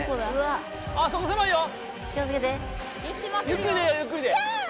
ゆっくりでいいよゆっくりで。